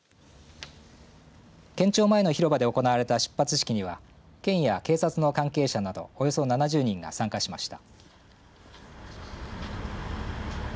県庁前の広場で行われた出発式には県や警察の関係者などおよそ７０人が参加しました。